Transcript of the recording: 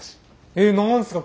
えっ何すか？